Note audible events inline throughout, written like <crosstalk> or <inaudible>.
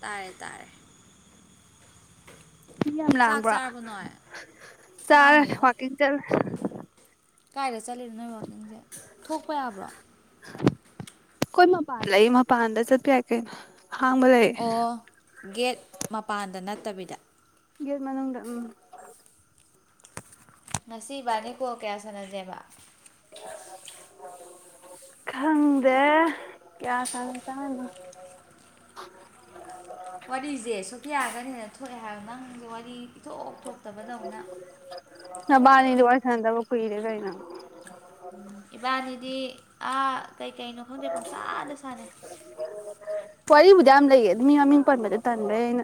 ꯇꯥꯔꯦ ꯇꯥꯔꯦ ꯃꯤ ꯌꯥꯝ ꯆꯥꯛ ꯂꯥꯡꯕ꯭ꯔꯥ ꯆꯥꯔꯕ ꯅꯣꯏ ꯆꯥꯔꯦ ꯂꯥꯡꯗꯦꯗ ꯋꯥꯛꯀꯤꯡ ꯆꯠꯂꯤ ꯀꯥꯏꯗ ꯆꯠꯂꯤꯅꫭ ꯅꯣꯏ ꯋꯥꯛꯀꯤꯡꯁꯦ ꯊꯣꯛꯄ ꯌꯥꯕ꯭ꯔꯣ ꯈꫭꯏ ꯃꯄꯥꯟ ꯂꯩꯏ ꯃꯄꯥꯟꯗ ꯆꯠꯄ ꯌꯥꯏ ꯀꯩꯅꫭ ꯑꯣ ꯒꯦꯠ ꯃꯄꯥꯟꯗ ꯅꯠ ꯇꯕꯤꯗ ꯒꯦꯠ ꯃꯅꯨꯡꯗ ꯎꯝ ꯉꯁꯤ ꯏꯕꯥꯅꯤ ꯀꯣꯜ ꯀꯌꯥ ꯁꯥꯟꯅꯁꯦꯕ ꯈꯪꯗꯦ ꯀꯌꯥ ꯁꯥꯟꯅꯁꯦ ꯍꯥꯏꯅꫭ ꯋꯥꯔꯤꯖꯦ ꯁꫭ ꯌꯥꯒꯅ ꯍꯦꯟꯅ ꯊꯣꯛꯑꯦ ꯍꯥꯏꯕ ꯅꯪꯖꯦ ꯋꯥꯔꯤ ꯏꯊꯣꯛ ꯊꯣꯛꯇꯕꯗꯧꯅ ꯅꯕꯥꯅꯤꯗꯤ ꯋꯥꯔꯤ ꯁꯥꯟꯅꯗꯕ ꯀꯨꯏꯔꯦ ꯀꯩꯅꫭ ꯏꯕꯥꯅꯤꯗꯤ ꯑꯥ ꯀꯩ ꯀꯩꯅꯣ ꯈꯪꯗꯦ ꯄꯝꯁꯥꯗ ꯁꯥꯅꯩ ꯋꯥꯔꯤꯕꯨꯗꯤ ꯌꯥꯝ ꯂꯩꯌꯦ ꯑꯗꯨ ꯃꯤ ꯃꯃꯤꯡ ꯄꯟꯕꯗꯨ ꯇꯟꯕꯩ ꯑꯩꯅ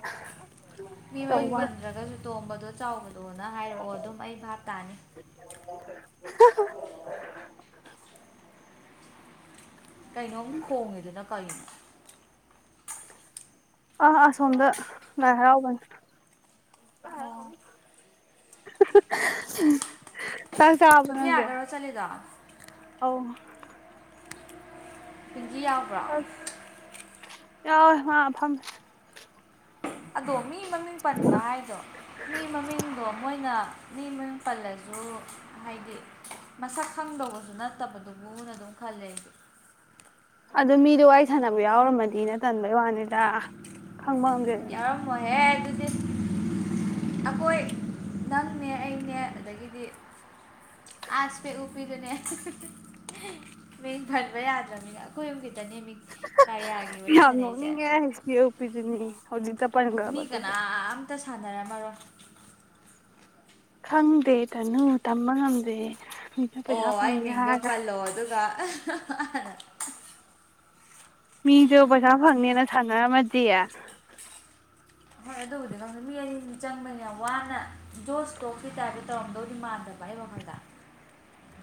ꯃꯤ ꯃꯃꯤꯡ ꯇꯧꯕ ꯄꯁꯗ꯭ꯔꯒꯁꯨ ꯇꯣꯡꯝꯕꯗꫭ ꯆꯥꯎꯕꯗꯣꯅ ꯍꯥꯏꯔꯛꯑꯣ ꯑꯗꯨꯝ ꯑꯩ ꯚꯥꯞ ꯇꯥꯅꯤ <inaudible> ꯀꯩꯅꯣꯝ ꯈꯣꯡꯉꯤꯗꯨꯅ ꯀꯩꯅꫭ ꯑ ꯑꯁꫭꯝꯗ ꯂꯥꯏ ꯍꯔꯥꯎꯕꯅꯤ ꯑꯣ <inaudible> <inaudible> ꯆꯥꯛ ꯆꯥꯔꯕ ꫭꯅꯪꯗꯦ ꯁꯣꯐꯤꯌꯥꯒꯔꯣ ꯆꯠꯂꯤꯗꯣ ꯑꯧ ꯟꯖꯤ ꯌꯥꯎꯕ꯭ꯔꫭ ꯌꯥꯎꯋꯦ ꯃꯥ ꯐꯝ ꯑꯗꯣ ꯃꯤ ꯃꯃꯤꯡ ꯄꯟꯕ ꯍꯥꯏꯗꯣ ꯃꯤ ꯃꯃꯤꯡꯗꯣ ꯃꯣꯏꯅ ꯃꯤ ꯃꯃꯤꯡ ꯄꯜꯂꯁꯨ ꯍꯥꯏꯗꯤ ꯃꯁꯛ ꯈꯪꯗꯧꯕꯁꯨ ꯅꯠꯇꯕꯗꯨꯕꯨꯅ ꯑꯗꯨꯝ ꯈꯜꯂꯦ ꯑꯩꯗꯤ ꯑꯗꯨ ꯃꯤꯗꯣ ꯋꯥꯔꯤ ꯁꯥꯟꯅꯕ ꯌꯥꯎꯔꯝꯃꯅꯤꯅ ꯇꯟꯕꯩ ꯋꯥꯅꯤꯗ ꯈꯪꯕ ꯉꯝꯗꯦꯗꯅ ꯌꯧꯔꯝꯃꫭꯏꯌꯦ ꯗꯤ ꯑꯩꯈꯣꯏ ꯅꯪꯅꯦ ꯑꯩꯅꯦ ꯑꯗꯒꯤꯗꯤ ꯑꯥꯁ ꯄꯦꯛ ꯎꯞꯄꯤꯗꯨꯅꯦ ꯃꯤꯡ ꯐꯟꯕ ꯌꯥꯗ꯭ꯔꯕꯅꯤꯅ ꯑꯩꯈꯣꯏ ꯑꯗꯤ <unintelligible> ꯌꯥꯝ ꯅꫭꯛꯅꯤꯡꯉꯦ ꯏꯁꯄꯦꯛ ꯎꯄꯤꯗꯨꯅꯤ ꯃꯤ ꯀꯅꯥ ꯑꯝꯇ ꯁꯥꯅ ꯈꯔ ꯈꯪꯗꯦ ꯇꯅꯨ ꯇꯝꯕ ꯉꯝꯗꯦ ꯃꯤꯅ ꯄꯩꯁꯥ ꯑꯣ ꯑꯩ ꯐꯪꯅꯤ ꯃꯤꯡꯗꯣ ꯍꯥꯏꯔꯒ ꯄꯜꯂꯣ ꯑꯗꯨꯒ ꯃꯤꯁꯨ ꯄꯩꯁꯥ ꯐꯪꯅꯦꯅ ꯁꯥꯟꯅꯔꯝꯃꯗꯤ ꯍꯣꯏ ꯑꯗꯨꯕꯨꯗꯤ ꯈꯪꯗꯦ ꯃꯤ ꯑꯅꯤꯃ ꯆꯪꯕꯅ ꯌꯥꯝ ꯋꯥꯅ ꯖꯣꯁꯇꯣꯛꯀꯤ ꯇꯥꯏꯞꯇ ꯇꯧꯔꯝꯗꯧꯗꯤ ꯃꯥꯟꯗ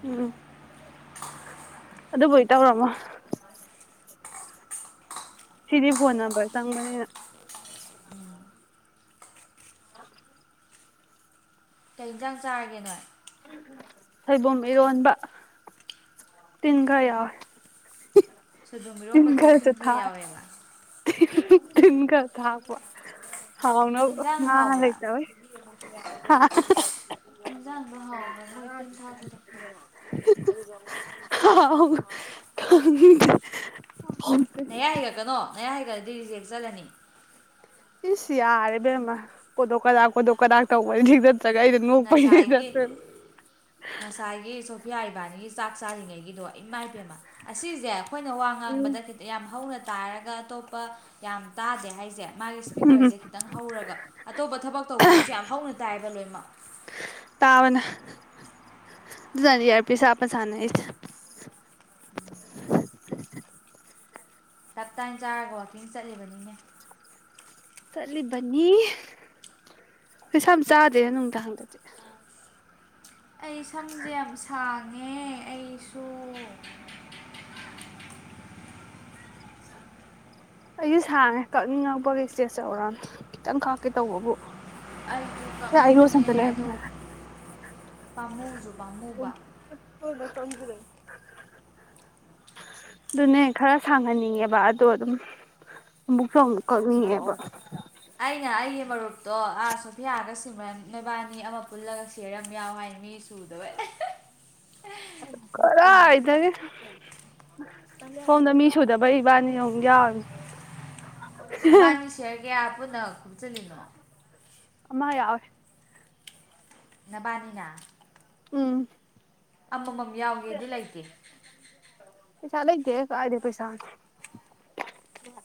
ꯎꯝ ꯑꯗ ꯄꯣꯏ ꯇꯧꯔꯝꯃꯣ ꯁꯤꯗꯤ ꯐꯣꯟ ꯅꯝꯕ꯭ꯔ ꯆꯪꯕꯅꯤꯅ <inaudible> <inaudible> ꯀꯩ ꯌꯦꯟꯁꯥꯡ ꯆꯥꯔꯒꯦꯅꯣꯏ ꯁꯣꯏꯕꯨꯝ ꯏꯔꯣꯟꯕ ꯇꯤꯟꯈ ꯌꯥꯎꯋꯦ ꯁꯣꯏꯕꯨꯝ ꯏꯔꫭꯝꯕꯗꯨꯗ ꯊꯤꯟ ꯈ ꯌꯥꯎꯋꯦꯕ ꯇꯤꯟꯀ ꯊꯥꯛꯄꯤ ꯍꯥꯎꯅꯕ ꯏꯟꯖꯥꯡ ꯉ ꯍꯥꯎꯕ꯭ꯔꯥ ꯂꯩꯇꯕ ꯏꯟꯖꯥꯡꯗꯣ ꯍꯥꯎꯕ꯭ꯔꯥ ꯃꯣꯏ ꯇꯤꯟ ꯊꯥꯛꯄꯗꯣ <unintelligible> ꯍꯥꯎ ꯈꯪꯗꯦ ꯅꯌꯥ ꯍꯤꯒꯠꯀꯅꯣ ꯅꯌꯥ ꯍꯤꯒꯠꯂꯗꯤ ꯔꯤꯖꯦꯛ ꯆꯠꯂꯅꯤ ꯏꯁ ꯌꯥꯔꯦꯕꯦꯝꯃ ꯀꯣꯊꯣꯛ ꯀꯗꯥ ꯀꯣꯊꯣꯛ ꯀꯗꯥꯥꯛ ꯇꯧꯕꯅꯤ ꯁꯒꯥꯏꯗ ꯅꫭꯛꯄꯩ ꯉꯁꯥꯏꯒꯤ ꯏꯌꯥ ꯏꯕꯥꯅꯤꯒꯤ ꯆꯥꯛ ꯆꯥꯔꯤꯉꯩꯒꯤꯗꯣ ꯏꯃꯥ ꯏꯕꯦꯝꯃ ꯑꯁꯤꯁꯦ ꯑꯩꯈꯣꯏꯅ ꯋꯥ ꯎꯝ ꯉꯥꯡꯕꯗꯇ ꯌꯥꯝ ꯍꯧꯅ ꯇꯥꯔꯒ ꯑꯇꯣꯞꯄ ꯌꯥꯝ ꯇꯥꯗꯦ ꯍꯥꯏꯁꯦ ꯃꯥꯒꯤ ꯎꯝ ꯏꯁꯄꯤꯀꯔꯁꯦ ꯈꯤꯇꯪ ꯍꯧꯔꯒ ꯑꯇꯣꯞꯄ ꯊꯕꯛ ꯇꯧꯕꯗꯨꯁꯨ ꯌꯥꯝ ꯍꯧꯅ ꯇꯥꯏꯕ ꯂꯣꯏꯅꯃꯛ ꯇꯥꯕꯅ ꯑꯗꯨꯅꯅꯤ ꯏꯌ‌꯭ꯔꯃꯤꯁ ꯍꯥꯝꯄ ꯁꯥꯟꯅꯩ ꯇꯞ ꯇꯥꯏꯅ ꯆꯥꯔꯒ ꯋꯥꯛꯀꯤꯡ ꯆꯠꯂꯤꯕꯅꯤꯅꯦ ꯆꯠꯂꯤꯕꯅꯤ ꯀꯩꯁꯨ ꯌꯥꯝ ꯆꯥꯗꯦꯅ ꯅꯨꯡꯗꯥꯡꯗꯗꯤ ꯑꯩ ꯁꯝꯁꯦ ꯌꯥꯝ ꯁꯥꯡꯉꯦ ꯑꯩꯁꯨ ꯑꯩꯁꯨ ꯁꯥꯡꯉꯦ ꯀꯛꯅꯤꯡꯉꯛꯄꯒꯤ ꯏꯁꯇꯦꯁ ꯆꯧꯔꯥꯡꯅꯤ ꯈꯤꯇꯪ ꯀꯥꯛꯀꯦ ꯇꯧꯕꯕꯨ ꯑꯩꯁꯨ ꯀꯛꯅꯤꯡꯉꯦ ꯑꯗꯣ ꯄꯥꯝꯃꯨꯁꯨ ꯄꯥꯝꯃꯨꯕ <unintelligible> ꯑꯗꯨꯅꯦ ꯈꯔ ꯁꯥꯡꯍꯟꯅꯤꯡꯉꯦꯕ ꯕ ꯑꯗꯣ ꯑꯗꯨꯝ ꯑꯃꯨꯛꯁꯨ ꯑꯃꯨꯛ ꯀꯛꯅꯤꯡꯉꯦꯕ ꯑꯩꯅ ꯑꯩꯒꯤ ꯃꯔꯨꯞꯇꯣ ꯑꯥ ꯁꯣꯐꯤꯌꯥꯒ ꯁꯤꯃ ꯅꯣꯏꯕꯥꯅꯤ ꯑꯃ ꯄꯨꯜꯂꯒ ꯁꯤꯌꯔ ꯑꯃ ꯌꯥꯎ ꯍꯥꯏꯕꯅꯤ ꯈꯔ ꯍꯥꯏꯗꯒꯦ ꯁꯣꯝꯗ ꯃꯤ ꯁꯨꯗꯕꯩ ꯏꯕꯥꯅꯤ ꯑꯃꯨꯛ ꯌꯥꯎꯔꯅꯤ ꯅꯕꯥꯅꯤ ꯁꯤꯌꯔ ꯀꯌꯥ ꯄꯨꯟꯅ ꯑꯃ ꯌꯥꯎꯦ ꯅꯕꯥꯅꯤꯅ ꯎꯝ ꯑꯃ ꯃꯝ ꯌꯥꯎꯒꯦꯗꯤ ꯂꯩꯇꯦ ꯄꯩꯁꯥ ꯂꯩꯇꯦꯍꯦ ꯀꯥꯏꯗꯩ ꯄꯩꯁꯥꯅꯣ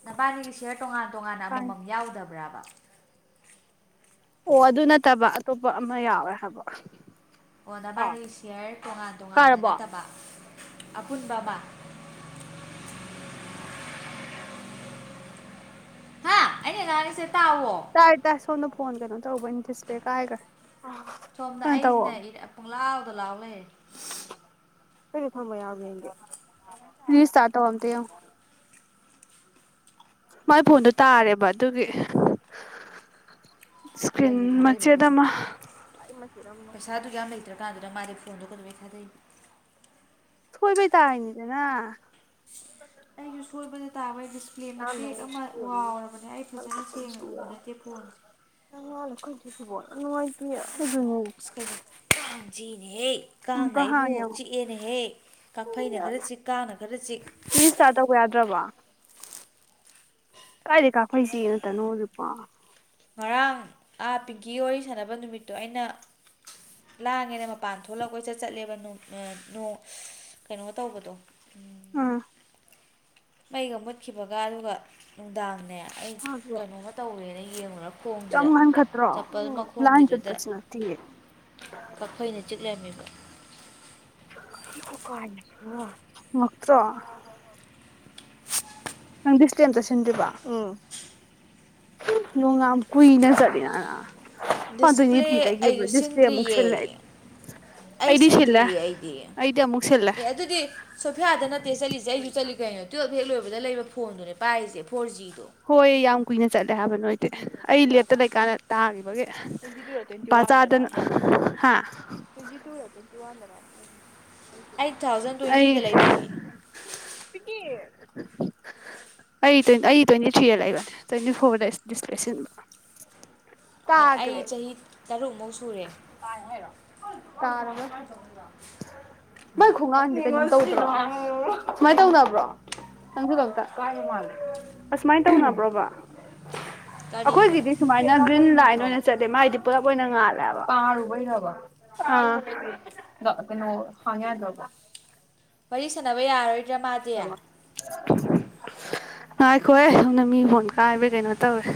ꯅꯄꯥꯅꯤꯒꯤ ꯁꯤꯌꯔ ꯇꯣꯉꯥꯟ ꯇꯣꯉꯥꯟꯅ ꯀꯥꯏ ꯑꯃꯃꯝ ꯌꯥꯎꯗꯕ꯭ꯔꯕ ꯑ ꯑꯣ ꯑꯗꯨ ꯅꯠꯇꯕ ꯑꯇꯣꯞꯄ ꯑꯃ ꯌꯥꯎꯋꯦ ꯍꯥꯏꯕ ꯑꯣ ꯅꯕꯥꯅꯤ ꯁꯤꯌꯔ ꯇꯣꯉꯥꯟ ꯇꯣꯉꯥꯟꯅ ꯀꯥꯔꯕꯣ ꯅꯠꯇꯕ ꯑꯄꯨꯟꯕ ꯑꯃ ꯍꯥ ꯑꯩꯅ ꯉꯥꯡꯉꯤꯁꯦ ꯇꯥꯎꯋꯣ ꯇꯥꯏ ꯇꯥꯏ ꯁꯣꯝꯅ ꯐꯣꯟ ꯀꯩꯅꯣ ꯇꯧꯕ ꯏꯊꯁꯇꯦ ꯀꯥꯏꯒ ꯁꯣꯝꯗ ꯀꯩꯅꯣ ꯇꯧ ꯑꯩꯁꯤꯅ ꯄꯨꯡꯂꯥꯎꯗ ꯂꯥꯎ ꯂꯩꯔꯦ ꯊ ꯃꯦ ꯔꯔꯁꯇꯥ꯭ꯔꯠ ꯇꯧꯔꯝꯗꯦ ꯃꯥꯏ ꯐꯣꯟꯗꯣ ꯇꯥꯔꯦꯕ ꯑꯗꯨꯒꯤ ꯏꯁꯀ꯭ꯔꯤꯟ ꯀꯩꯒꯤ ꯊꯥꯗꯩꯕ ꯃꯆꯦꯠ ꯄꯩꯁꯥ ꯑꯃ ꯆꯅꯒꯈꯥꯗ ꯁꯣꯏꯕꯩ ꯆꯥꯏꯅꯤꯗꯅ ꯑꯩꯒꯤ ꯁꯣꯏꯕꯖꯦ ꯇꯥꯕ ꯁꯤ ꯐꯖꯅ ꯀ ꯁꯦꯡꯅ ꯎꯕ ꯁꯤꯉ ꯅꯠꯇꯦ ꯐꯣꯟꯁꯦ ꯀꯣꯏꯅꯨꯡꯉꯥꯏ <unintelligible> ꯀꯥꯡ ꯆꯤꯅꯦ ꯍꯦ ꯀꯥꯡꯅ ꯑꯃꯨꯛꯀ ꯑꯩꯕꯨ ꯍꯥꯡꯉꯦ ꯑꯃꯨꯛ ꯆꯤꯛꯑꯦꯅꯍꯦ ꯀꯥꯐꯩꯅ ꯈꯔ ꯆꯤꯛ ꯀꯥꯡꯅ ꯈꯔ ꯆꯤꯛ ꯇ꯭ꯔꯕ ꯀꯥꯏꯗꯩ ꯀꯥꯐꯩꯁꯤꯅ ꯇꯅꯣꯖꯤꯄꯥ ꯉꯔꯥꯡ ꯑꯥ ꯄꯤꯡꯀꯤ ꯑꯣꯏ ꯁꯥꯟꯅꯕ ꯅꯨꯃꯤꯠꯇꯣ ꯑꯩꯅ ꯂꯥꯡꯉꯦꯅ ꯃꯄꯥꯟ ꯊꯣꯛꯂꯛ ꯑ ꯀꯣꯏꯆꯠ ꯆꯠꯂꯦꯕ ꯅꯣꯡ ꯀꯩꯅꯣ ꯇꯧꯕꯗꯣ ꯑꯥ ꯃꯩꯒ ꯃꯨꯠꯈꯤꯕꯒ ꯑꯗꯨꯒ ꯅꯨꯡꯗꯥꯡꯅꯦ ꯑꯩ ꯀꯩꯅꯣꯝꯃ ꯇꯧꯔꯦꯅꯦ ꯌꯦꯡ ꯌꯥꯝ ꯃꯈꯣꯡꯁꯤꯗ ꯉꯟꯈꯠꯇ꯭ꯔꯣ ꯆꯝꯄꯜ ꯂꯥꯏꯟ ꯃꯈꯣꯡꯒꯤꯗꯨꯗ ꯆꯠꯄꯁꯨ ꯅꯠꯇꯤꯌꯦ ꯀꯥꯐꯩꯅ ꯆꯤꯛꯂꯝꯃꯤ ꯃꯛꯇ꯭ꯔꯣ ꯅꯪ ꯁꯇꯦꯝ ꯆꯠꯁꯤꯟꯗ꯭ꯣꯏꯕ ꯎꯝ ꯅꯣꯡ ꯌꯥꯝ ꯀꯨꯏꯅ ꯆꯠꯂꯤꯅꯅ ꯗꯤꯁꯄ꯭ꯂꯦ ꯑꯩꯁꯨ ꯑꯃꯨꯛ ꯁꯤꯟꯗ꯭ꯔꯤꯌꯦ ꯁꯤꯜꯂꯦ ꯑꯩꯗꯤ ꯑꯩ ꯑꯩꯗꯤ ꯁꯤꯜꯂꯦ ꯁꯤꯟꯗ꯭ꯔꯤꯌꯦ ꯑꯩꯗꯤ ꯑꯩꯗꯤ ꯑꯃꯨꯛ ꯁꯤꯜꯂꯦ ꯑꯦ ꯑꯗꯨꯗꯤ ꯁꯣꯐꯤꯌꯥꯗ ꯅꯠꯇꯦ ꯆꯠꯂꯤꯁꯦ ꯑꯩꯁꯨ ꯆꯠꯂꯤ ꯀꯩꯅꯣ ꯇꯨꯌꯦꯞ ꯍꯦꯛ ꯂꯣꯏꯕ ꯑꯩꯈꯣꯏꯗ ꯂꯩꯕ ꯐꯣꯟꯗꯨꯅꯦ ꯄꯥꯏꯔꯤꯁꯦ ꯐꯣꯔ ꯖꯤ ꯍꯣꯏ ꯌꯥꯝ ꯀꯨꯏꯅ ꯆꯠꯂꯦ ꯍꯥꯏꯕ ꯅꯣꯏ ꯑꯩ ꯂꯦꯞꯇ ꯂꯩꯀꯥꯟꯅ ꯇꯥꯈꯤꯕꯒ ꯅꯨꯄꯥꯗꯅ ꯑꯩ ꯇꯨ ꯊꯥꯎꯖꯟ ꯇ꯭ꯋꯦꯟꯇꯤꯗ ꯂꯩꯕꯅꯦ ꯑꯩ ꯑ ꯑ ꯇ꯭ꯋꯦꯟꯇꯤ ꯊ꯭ꯔꯤꯗ ꯂꯩꯕꯅꯦ ꯇ꯭ꯋꯦꯟꯇꯤ ꯐꯣꯔꯗ ꯗꯤꯁꯄ꯭ꯂꯦ ꯁꯤꯟꯕ ꯑꯩ ꯆꯍꯤ ꯇꯔꯨꯛꯃꯧ ꯇꯥꯏ ꯍꯥꯏꯔ ꯃꯣꯏ ꯈꯣꯡꯒꯥꯡꯁꯦ ꯀꯩꯅꯣ ꯇꯧꯗ ꯁꯨꯃꯥꯏꯅ ꯇꯧꯅꯕ꯭ꯔꯣ ꯅꯪꯁꯨ ꯈꯛꯇ ꯑꯃꯥꯏꯅ ꯇꯧꯅꯕ꯭ꯔꯣꯕ ꯀꯔꯤꯅꯣ ꯑꯩꯈꯣꯏꯒꯤꯗꯤ ꯁꯨꯃꯥꯏꯅ ꯒ꯭ꯔꯤꯟ ꯂꯥꯏꯟ ꯂꯣꯏꯅ ꯆꯠꯇꯂꯦ ꯃꯥꯒꯤꯗꯤ ꯄꯨꯂꯞ ꯑꯣꯏꯅ ꯉꯥꯂꯦ ꯄꯥꯔꯨꯕꯔꯕ ꯀꯩꯅꯣ ꯍꯉꯌꯥ ꯂꯕ ꯋꯥꯔꯤ ꯁꯟꯅꯅꯕ ꯌꯥꯔꯣꯏ ꯏꯔꯃꯥꯗꯌꯥ ꯉꯥꯏꯈꯣꯏ ꯁꯝꯅ ꯃꯤ ꯐꯣꯟ ꯀꯥꯏꯕ ꯀꯩꯅꯣ ꯇꯧꯔꯦ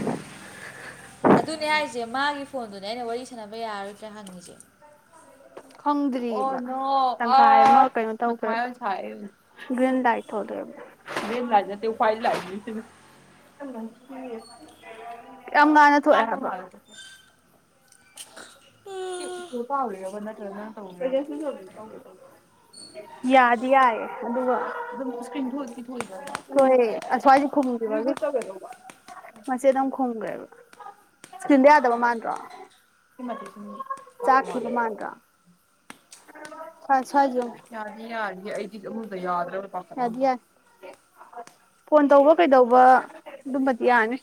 ꯑꯗꯨꯅꯦ ꯍꯥꯏꯁꯦ ꯃꯥꯒꯤ ꯐꯣꯟꯗꯨꯅꯦ ꯑꯩꯅ ꯋꯥꯔꯤ ꯁꯥꯟꯅꯕ ꯌꯥꯔꯣꯏꯗ꯭ꯔꯥ ꯍꯪꯉꯤꯁꯦ ꯈꯪꯗ꯭ꯔꯤꯑ ꯀꯩꯅꯣ ꯇ꯭ꯔꯒ꯭ ꯌꯥꯝ ꯉꯥꯟꯟꯅ ꯊꯣꯛꯑꯦꯕ ꯌꯥꯗꯤ ꯌꯥꯏꯌꯦꯦ ꯑꯗꯨꯒ ꯍꯣꯏꯁ꯭ꯋꯥꯏꯁ ꯃꯦ ꯑꯗꯨꯝ ꯈꯨꯝꯈ꯭ꯔꯦꯕ ꯏꯁꯀ꯭ꯔꯤꯟꯗꯣ ꯌꯥꯗꯕ ꯃꯥꯟꯗ꯭ꯔꯣ ꯆꯥꯛꯀꯤ ꯂ ꯃꯥꯟ꯭ꯔꯥ ꯌꯥ ꯐꯣꯟ ꯇꯧꯕ ꯀꯩꯗꯧꯕ ꯑꯗꯨꯝꯕꯗꯤ ꯌꯥꯅꯤ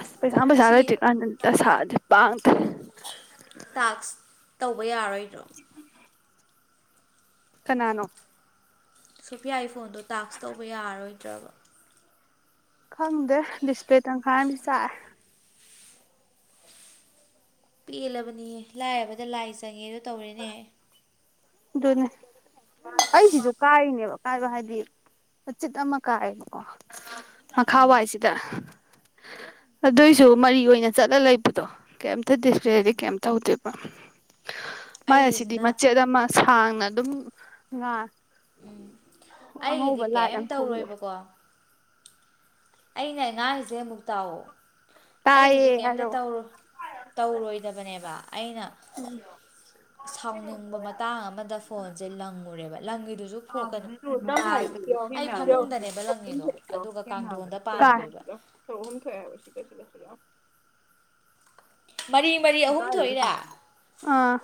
ꯑꯁ ꯁꯥꯝꯕꯁ ꯁꯤꯒꯤ ꯆꯂꯥꯏꯔ ꯑꯁꯥꯗꯤ ꯄꯥꯡꯗ꯭ꯔꯦ ꯇꯥꯛꯁ ꯇꯧꯕ ꯌꯥꯔꯣꯏ ꯈꯥꯏꯗ꯭ꯔꯛ ꯀ ꯅꯅꯣ ꯁꯣꯐꯤꯌꯥꯒꯤ ꯐꯣꯟꯗꯣ ꯇꯥꯛꯁ ꯇꯧꯕ ꯌꯥꯔꯔꯣꯏꯗ꯭ꯔꯕ ꯈꯪꯗ ꯁꯄꯦ ꯇꯪ ꯈ ꯁꯥ ꯄꯦꯜꯂꯕꯅꯤ ꯂꯥꯏꯔꯕꯗ ꯂꯥꯏ ꯆꯪꯉꯦꯗꯣ ꯇꯧꯔꯦꯅꯦ ꯑꯗꯨꯅꯦ ꯑꯩꯁꯤꯁꯨ ꯀꯥꯏꯔꯤꯅꯦꯕ ꯀꯥꯏꯕ ꯍꯥꯏꯗꯤ ꯃꯆꯤꯠ ꯑꯃ ꯀꯥꯏꯌꯦꯦꯕꯀꯣ ꯃꯈꯥ ꯎꯝ ꯋꯥꯏꯁꯤꯗ ꯑꯗꯨꯏꯁꯨ ꯃꯔꯤ ꯑꯣꯏꯅ ꯆꯠꯂ ꯂꯩꯕꯗꯣ ꯀꯩꯝꯇ ꯎꯝ ꯗꯤꯁꯄ꯭ꯂꯦꯗꯤ ꯀꯩꯝ ꯇꯧꯗꯣꯏꯕ ꯃꯥꯌꯥꯁꯤꯗꯤ ꯑꯩꯒꯤꯁꯤꯅ ꯃꯆꯦꯗꯃ ꯁꯥꯡꯅ ꯑꯗꯨꯝ ꯉꯥ ꯎꯝ ꯑꯩꯒꯤꯗꯤ ꯑꯉꯧꯕ ꯂꯥꯏꯠ ꯀꯩꯝ ꯑꯃ ꯊꯣꯛꯂꯦ ꯇꯧꯔꯣꯏꯕꯀꯣ ꯑꯩꯅ ꯑꯉꯥꯡꯔꯤꯁꯦ ꯑꯃꯨꯛ ꯇꯥꯛꯑꯣ ꯑꯩꯒꯤꯗꯤ ꯇꯥꯏꯌꯦ ꯀꯩꯝꯇ ꯍꯥꯏꯔꯛꯑꯣ ꯇꯧꯔꯣꯏꯗꯕꯅꯦꯕ ꯑꯩꯅ ꯁꯥꯎꯅꯤꯡꯕ ꯃꯇꯥꯡ ꯑꯃꯗ ꯐꯣꯟꯁꯦ ꯂꯪꯉꯨꯔꯦꯕ ꯂꯪꯒꯤꯗꯨꯁꯨ ꯐꯣꯛꯀ ꯑꯩ ꯐꯃꯨꯡꯗꯅꯦꯕ ꯂꯪꯒꯤꯗꯣ ꯑꯗꯨꯒ ꯀꯥꯡꯊꯣꯟꯗ ꯀꯥꯏ ꯄꯥꯟꯀꯈꯔ꯭ꯤꯕ ꯃꯔꯤ ꯃꯔꯤ ꯑꯍꯨꯝ ꯊꯣꯛꯏꯔꯥ ꯑꯥ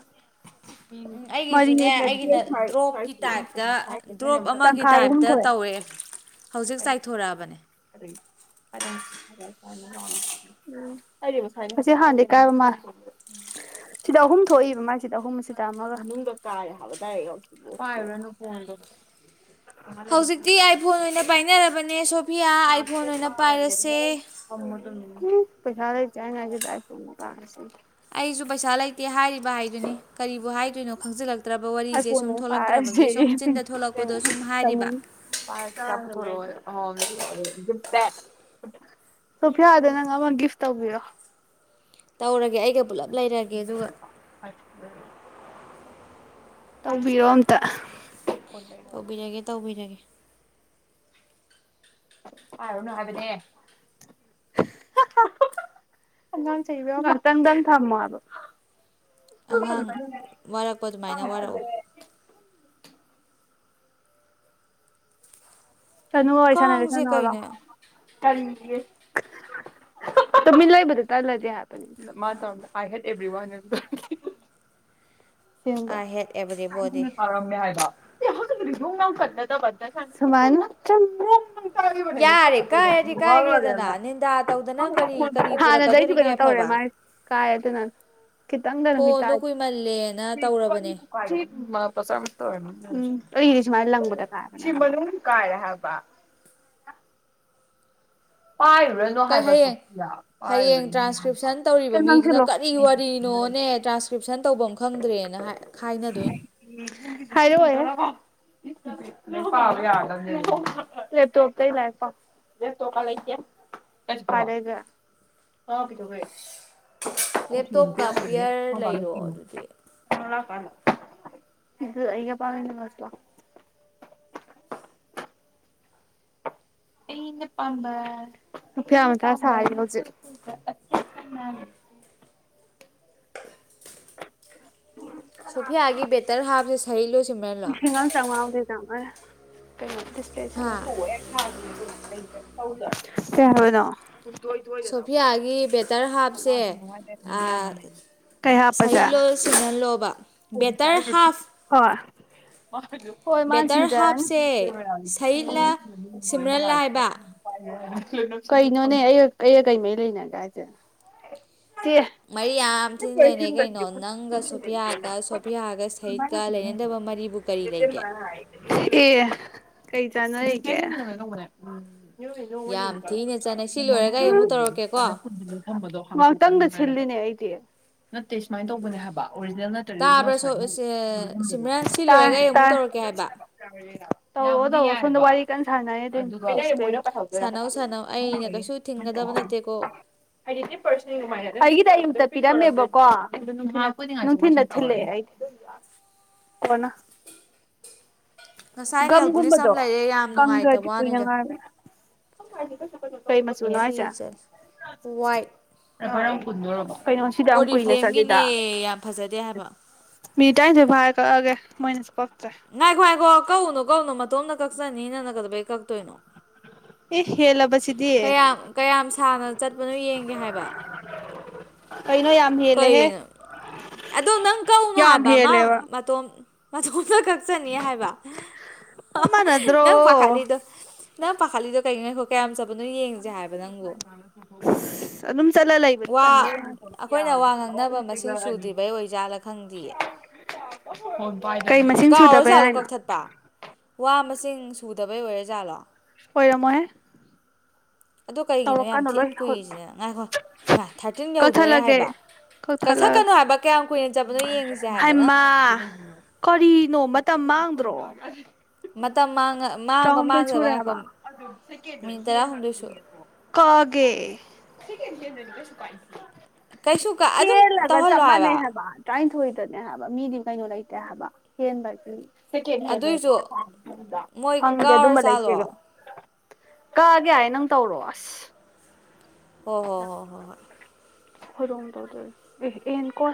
ꯎꯝ ꯑꯩꯒꯤꯁꯨꯅꯦ ꯑꯩꯒꯤꯅ ꯗ꯭ꯔꯣꯞꯀꯤ ꯇꯥꯏꯞꯇ ꯗ꯭ꯔꯣꯞ <unintelligible> ꯑꯃꯒꯤ ꯇꯪꯈꯥꯏ ꯑꯍꯨꯝ ꯇꯥꯏꯞꯇ ꯊꯣꯛꯑꯦ ꯇꯧꯔꯛꯑꯦ ꯍꯧꯖꯤꯛ ꯆꯥꯏꯊꯣꯔꯛꯑꯕꯅꯦ ꯑꯁꯤ ꯍꯥꯟꯗꯩꯩ ꯀꯥꯏꯕꯥ ꯃꯥꯜꯂꯦ ꯁꯤꯗ ꯑꯍꯨꯝ ꯊꯣꯛꯏꯕ ꯃꯥꯁꯤꯗ ꯑꯍꯨꯝ ꯑꯁꯤꯗ ꯑꯃꯒ ꯍꯥꯏ <unintelligible> ꯍꯧꯖꯤꯛꯇꯤ ꯑꯥꯏꯐꯣꯟ ꯑꯣꯏꯅ ꯄꯥꯏꯅꯔꯕ__ ꯅꯦ ꯁꯣ__ <unintelligible> ꯄꯩꯁꯥ ꯂꯩꯇꯦ ꯍꯥꯏꯔꯤꯉꯩꯁꯤꯗ <unintelligible> ꯑꯩꯁꯨ ꯄꯩꯁꯥ ꯂꯩꯇꯦ ꯍꯥꯏꯔꯤꯕ ꯍꯥꯏꯗꯨꯅꯤ ꯀꯔꯤꯕꯨ ꯍꯥꯏꯗꯣꯏꯅꯣ ꯈꯪꯖꯤꯜꯂꯛ__ ꯑꯥꯏ ꯐꯣꯟ ꯑꯣꯏꯅꯥ ꯄꯥꯏꯔꯁꯦꯌꯦ ꯆꯤꯟꯗ ꯊꯣꯛꯂꯛꯄꯗꯣ ꯀꯩꯅꯣꯅ ꯁꯨꯝ ꯍꯥꯏꯔꯤꯕ ꯇꯥꯅꯨꯅ <unintelligible> ꯁꯣꯐꯤꯌꯥꯗ ꯅꯪ ꯑꯃ ꯒꯤꯐ ꯇꯧꯕꯤꯔꯣ ꯇꯧꯔꯒꯦ ꯑꯩꯒ ꯄꯨꯜꯂꯞ ꯂꯩꯔꯒꯦ ꯑꯗꯨꯒ ꯇꯧꯕꯤꯔꯣ ꯑꯝꯇ ꯇꯧꯕꯤꯔꯒꯦ ꯇꯧꯕꯤꯔꯒꯦ ꯄꯥꯏꯔꯨꯅꯣ ꯍꯥꯏꯕꯅꯦ ꯉꯇꯪꯗꯥꯡ ꯊꯝꯃꯣ ꯑꯣ ꯑꯉꯥꯡ ꯋꯥꯔꯛꯄ ꯑꯗꯨꯃꯥꯏꯅ ꯋꯥꯔꯛꯑꯣ <unintelligible> ꯀꯥꯡꯁꯦ ꯀꯩꯅꯣ ꯇꯨꯃꯤꯟ ꯂꯩꯕꯗ ꯇꯜꯂꯗꯤ ꯍꯥꯏꯕꯅꯤꯗ ꯃꯥ ꯇꯧ ꯑꯥꯏ ꯍꯦꯠ ꯑꯦꯕ꯭ꯔꯤ ꯋꯥꯟ ꯁꯦꯕ ꯑꯥꯏ ꯍꯦꯠ ꯑꯦꯕ꯭ꯔꯤꯕꯣꯗꯤ ꯇꯥꯔꯝꯃꯦ ꯍꯥꯏꯕ ꯁꯃꯥꯏ ꯆꯨꯨꯝꯃꯦ ꯌꯥꯔꯦ ꯀꯥꯏꯔꯗꯤ ꯀꯥꯏꯒꯔꯦꯗꯅ ꯅꯤꯟꯗꯥ ꯇꯧꯗꯅ ꯀꯔꯤ ꯀꯔꯤ ꯄꯨꯔꯛꯀꯗꯣꯔꯤꯒꯦ ꯑꯐꯕ ꯀꯥꯏꯗ ꯅ ꯐꯣꯟꯗꯣ ꯀꯨꯏꯃꯜꯂꯦꯅ ꯇꯧꯔꯕꯅꯦ <unintelligible> ꯎꯝ ꯑꯩꯒꯤꯗꯤ ꯁꯨꯃꯥꯏ ꯂꯪꯕꯗ ꯀꯥꯏꯕꯅꯦ ꯍꯥꯏꯕꯥ ꯀꯥꯏꯔꯦ ꯍꯥꯏꯕ ꯄꯥꯏꯔꯨꯔꯅꯣ ꯀꯩ ꯍꯥꯏꯕ ꯍꯌꯦꯡ ꯁꯣꯐꯤꯌꯥ ꯍꯌꯦꯡ ꯄꯥꯏꯔꯨꯔꯅꯣ ꯍꯥꯏꯕ ꯇ꯭ꯔꯥꯟꯁꯀ꯭ꯔꯤꯞꯁꯟ ꯇꯧꯔꯤꯕ <unintelligible> ꯏꯁꯀ꯭ꯔꯤꯞꯁꯟ ꯇꯧꯕ ꯑꯃ ꯈꯪꯗ꯭ꯔꯦꯅ ꯍꯥꯏ ꯈꯥꯏꯅꯗꯣꯏꯅꯤ ꯍꯥꯏꯔꯛ ꯑꯣꯏꯍꯦ ꯂꯦꯞꯇꯣꯞꯀ ꯄꯤꯌꯔ ꯂꯩꯔꯣ ꯑꯗꯨꯗꯤ <unintelligible> ꯑꯝꯕ ꯐꯌꯥ ꯑꯃ ꯇ ꯁꯥꯔꯤ ꯍꯧꯖꯤꯛ ꯁꯣꯐꯤꯌꯥꯒꯤ ꯕꯦꯇꯔ ꯍꯥꯞꯁꯦ ꯁꯩ ꯂꯣꯏꯁꯤꯕꯂꯥ ꯎꯝ ꯁ ꯀꯁꯤ ꯊ ꯊꯥ ꯁꯣꯐꯤꯌꯥꯒꯤ ꯕꯦꯇꯔ ꯍꯥꯞꯁꯦ ꯀꯕꯗꯣ ꯩ ꯀꯩ ꯍꯥꯞꯄꯁꯦ ꯁꯤꯨꯅꯜꯂꯣꯕ ꯕꯦꯇꯔ ꯍꯥꯐ ꯋꯥ ꯍꯣꯏ ꯃꯥꯅ ꯕꯦꯇꯔ ꯁꯤꯡꯖꯔꯅꯦ ꯍꯥꯞꯁꯦ ꯁꯍꯤꯠꯂ ꯁꯤꯝꯔꯟꯂ ꯍꯥꯏꯕ ꯀꯩꯅꯣꯅꯦ ꯑꯩ ꯑꯩꯒ ꯀꯩꯃꯩ ꯂꯩꯅꯒ꯭ꯔ ꯍꯥꯏꯁꯦ ꯆꯦ ꯃꯔꯤ ꯌꯥꯝ ꯊꯤꯅ ꯂꯩꯅꯩ ꯀꯩꯅꯣ <inaudible> <inaudible> ꯅꯪ ꯁꯍꯤꯠꯀ ꯂꯩꯅꯗꯕ ꯃꯔꯤꯕꯨ ꯀꯔꯤ ꯂꯩꯒꯦ ꯀꯩ ꯆꯥꯅ ꯀꯦ ꯌꯥꯝ ꯊꯤꯅ ꯆꯥꯟꯅꯩ ꯁꯤ ꯂꯣꯏꯔꯒ ꯑꯩ ꯑꯃꯨꯛ ꯇꯧꯔꯛꯀꯦꯀꯣ ꯣ <inaudible> ꯁꯤꯜꯂꯤꯅꯦ ꯑꯩꯗꯤ ꯅꯠꯇꯦ ꯁꯨꯃꯥꯏꯅ ꯇꯧꯕꯅꯦ ꯍꯥꯏꯕ ꯑꯣꯔꯤꯖꯤꯅꯜ ꯅꯠꯇꯔꯒ ꯇꯥꯕ꯭ꯔꯥ ꯃꯁ ꯁꯤꯝꯔꯟ ꯁꯤ ꯂꯣꯏꯔꯒ ꯑꯩ ꯑꯃꯨꯛ ꯇꯧꯔꯛꯀꯦ ꯍꯥꯏꯕ ꯍꯥꯏ ꯐꯨꯋꯥ ꯋꯥꯔꯤ ꯀꯟꯁꯥꯅ ꯇ ꯗꯣꯏꯔ ꯁꯥꯟꯅꯧ ꯁꯥꯟꯅꯧ ꯑꯩꯅ ꯀꯩꯁꯨ ꯊꯤꯡꯒꯗꯕ ꯅꯠꯇꯦꯀꯣ ꯑꯩꯒꯤꯗ ꯑꯩꯝꯇ ꯄꯤꯔꯝꯃꯦꯕꯀꯣ ꯑꯗꯨꯝ ꯃ ꯊ ꯅ ꯀꯅ ꯉꯁꯥꯏ ꯅꯦꯜ ꯄꯨꯂꯤꯁ ꯒꯝꯒꯨꯝꯕꯗꯣ ꯑꯃ ꯂꯩꯔꯦ ꯌꯥꯝ ꯀꯪ ꯅꯨꯡꯉꯥꯏꯇꯕ ꯈ꯭ꯔꯗꯤ ꯀꯨꯏꯅ ꯋꯥꯅꯤꯗ ꯉꯥꯡꯃꯦꯅ ꯍ ꯐ ꯀꯁꯨ ꯀ ꯀꯩ ꯃꯆꯨꯅꯅꯨꯡ ꯍꯥꯏ ꯐ꯭ꯔꯤ ꯁꯦ ꯆꯠꯂꯦ ꯑꯦ ꯐꯔ ꯄ ꯄꯨꯟꯔꯣꯕꯣ ꯑꯣꯔꯤ ꯐ꯭ꯂꯦꯝꯒꯤꯅꯦ ꯌꯥꯝ ꯐꯖꯗꯦ ꯍꯥꯏꯕ ꯃꯤ ꯇꯔꯅꯤꯗꯣꯏ ꯚꯔ ꯀꯛꯑꯒꯦ ꯃꯣꯏꯅꯁꯨ ꯀꯣ ꯥꯉꯥꯏ ꯀꯣ ꯍꯥꯏꯈꯣ ꯀꯛꯎꯅꯣ ꯀꯧꯅꯨ ꯃꯇꯣꯝꯅ ꯀꯛꯆꯅꯤꯅꯅ ꯀꯗꯕꯩ ꯀꯛꯇꯣꯏꯅꯣ ꯑꯦ ꯍꯦꯂꯕꯁ ꯀꯌꯥꯝ ꯀꯌꯥꯝ ꯁꯥꯅ ꯆꯠꯄꯅꯣ ꯌꯦꯡꯒꯦ ꯍꯥꯏꯕ ꯀꯩꯅꯣ ꯌꯥꯝ ꯍꯦꯜꯂꯦꯍꯦ ꯀꯩꯅꯣ ꯑꯗꯣ ꯅꯪ ꯀꯧꯅꯣ ꯌꯥꯝ ꯍꯥꯏꯕ ꯃꯥ ꯍꯦꯜꯂꯦꯕ ꯃꯇꯣꯝ ꯑ ꯀꯛꯆꯅꯤ ꯍꯥꯏꯕ ꯆꯞ ꯃꯥꯟꯅꯗ꯭ꯔꯣ ꯅꯪ ꯄꯥꯈꯥꯂꯤꯗꯣ ꯅꯪ ꯄꯥꯈꯥꯂꯤꯗꯣ ꯀꯔꯤꯒꯤꯅꯣ ꯈ ꯀꯌꯥꯝ ꯆꯥ ꯑꯗꯨ ꯑꯗꯨꯝ ꯆꯂꯩꯕꯥ ꯋꯥ ꯇꯟꯕꯥꯏ ꯑꯩꯈꯣꯏꯅ ꯋꯥ ꯉꯥꯡꯅꯕ ꯃꯁꯤꯡ ꯁꯨꯗ꯭ꯔꯤꯕꯩ ꯑꯣꯏꯖꯥꯠꯂꯥ ꯈꯪꯗꯤꯌꯦ ꯋꯥ ꯀꯩ ꯃꯁꯤꯡ ꯁꯨꯗꯕꯥꯏ꫰ꯍꯥꯏꯅꯣ ꯁꯤꯡ ꯁꯨꯗꯕꯩ ꯑꯣꯏꯔ ꯖꯥꯠꯂꯣ ꯄꯣꯏꯔꯝ ꯍꯣꯏ ꯑꯗꯨ ꯀꯩꯒꯤꯅꯣ ꯌꯥꯝ ꯊꯤ ꯏꯟ ꯀꯨꯏꯔꯤꯁꯤꯅ ꯉꯥꯏꯈꯣ ꯏꯃꯥ ꯊꯥꯔꯇꯤꯟ ꯌꯧꯗꯣꯔꯦ ꯍꯥꯏꯕ ꯀꯛꯊꯠꯂꯒꯦ ꯀꯛꯊꯠꯂꯒ ꯀꯛꯊꯠꯀꯅꯣ ꯍꯥꯏꯕ ꯀꯌꯥꯝ ꯀꯨꯏꯅ ꯆꯠꯄꯅꯣ ꯌꯦꯡꯉꯤꯁꯦ ꯍꯥꯏꯕ ꯅꯪ ꯍꯥꯏꯃ ꯀꯔꯤꯅꯣ ꯃꯇꯝꯃꯥꯡ ꯭ꯔꯣ ꯃꯇꯝ ꯃꯥꯡ ꯇ꯭ꯔꯣꯝꯗꯏ ꯁ ꯔꯦꯕ ꯃꯤꯅꯤꯠ ꯇꯔꯥꯍꯨꯝꯗꯣꯏ ꯁꯨ ꯀꯒꯦ <unintelligible> ꯀꯩꯁꯨ ꯑꯗꯨꯝ ꯇꯧꯍꯜꯂꯣ ꯍꯥꯏꯕ ꯅꯦ ꯍꯥꯏꯕ ꯃꯤꯗꯤ ꯀꯩꯅꯣ ꯂꯩꯇꯦ ꯍꯥꯏꯕ ꯍꯦꯟꯕꯒꯤ ꯁꯤꯀꯦ ꯍꯕ ꯀ ꯀꯧꯔꯥ ꯆꯥꯂꯣ ꯀꯛꯒꯦ ꯍꯥꯏ ꯅꯪ ꯇꯧꯔꯣ ꯑꯁ ꯑꯣ ꯍꯣꯏ ꯍꯣꯏ ꯍꯣꯏ ꯍꯣꯏ ꯍꯔꯣꯝ ꯇꯧꯗꯣꯢ ꯑꯦ ꯑꯦꯀꯣ